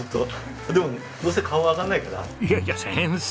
いやいや先生